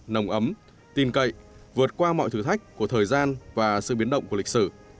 nồng ấm tin cậy vượt qua mọi thử thách của thời gian và sự biến động của lịch sử